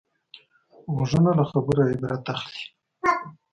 غوږونه له خبرو عبرت اخلي